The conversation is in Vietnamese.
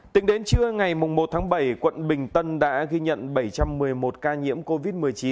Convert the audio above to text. tính đến trưa ngày một tháng bảy quận bình tân đã ghi nhận bảy trăm một mươi một ca nhiễm covid một mươi chín